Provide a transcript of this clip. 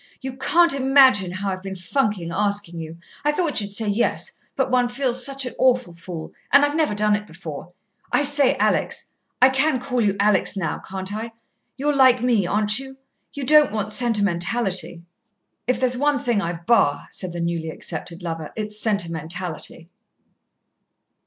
"You can't imagine how I've been funking asking you I thought you'd say yes, but one feels such an awful fool and I've never done it before. I say, Alex I can call you Alex now, can't I you're like me, aren't you? You don't want sentimentality. If there's one thing I bar," said the newly accepted lover, "it's sentimentality."